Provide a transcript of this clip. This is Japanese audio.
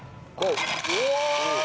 うわ！